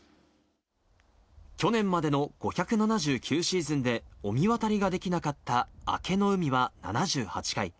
去年までの５７９シーズンで御神渡りが出来なかった明けの海は７８回。